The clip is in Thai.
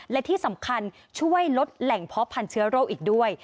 และที่สำคัญช่วยลดแหล่งเพาะพันธุโรคอีกด้วย